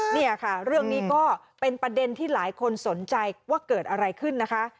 เนี่ยค่ะเรื่องนี้ก็เป็นประเด็นที่หลายคนสนใจว่าเกิดอะไรขึ้นนะคะ